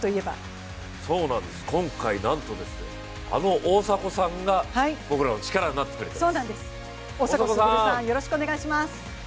今回、なんとあの大迫さんが僕らの力になってくれて。